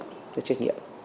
hết sức trách nhiệm